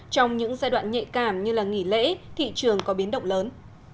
trong những giai đoạn nhạy cảm như nghỉ lễ thị trường có biến động lớn